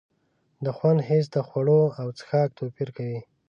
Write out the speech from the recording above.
د خوند حس د خوړو او څښاک توپیر کوي.